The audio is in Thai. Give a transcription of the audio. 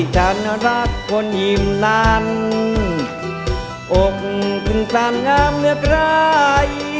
ฉันรักคนยิ่มนานอบถึงสร้างงามเมื่อกลาย